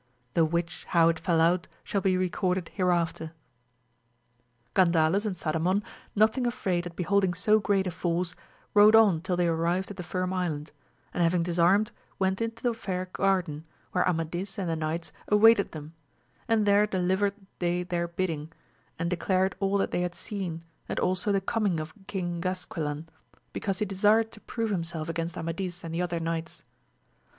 The which how it fell out shall be recorded hereafter. Gandales and Sadamon nothing afraid at beholding so great a force, rode on till they arrived at the Firm Island, and having disarmed went into a fair garden, where Amadis and the knights awaited them, and there delivered they their bidding, and declared all that they had seen, and also the coming of King Gasquilan, because he desired to prove him self against Amadis and the other knights.